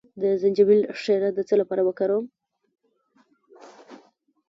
د زنجبیل شیره د څه لپاره وکاروم؟